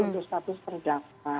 itu status terdakwa